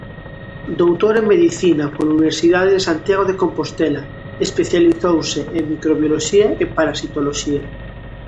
Doutor en Medicina pola Universidade de Santiago de Compostela, especializouse en microbioloxía e parasitoloxía.